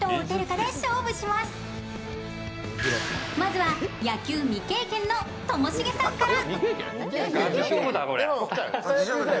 まずは野球未経験のともしげさんから。